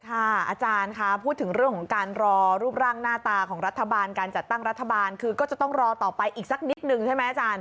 อาจารย์ค่ะพูดถึงเรื่องของการรอรูปร่างหน้าตาของรัฐบาลการจัดตั้งรัฐบาลคือก็จะต้องรอต่อไปอีกสักนิดนึงใช่ไหมอาจารย์